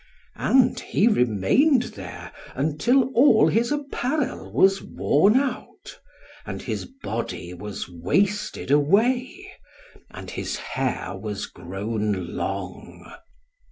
And he remained there until all his apparel was worn out, and his body was wasted away, and his hair was grown long.